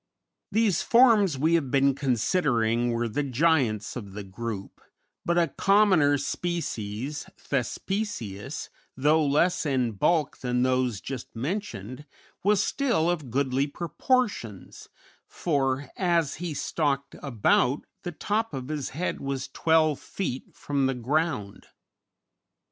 These forms we have been considering were the giants of the group, but a commoner species, Thespesius, though less in bulk than those just mentioned, was still of goodly proportions, for, as he stalked about, the top of his head was twelve feet from the ground.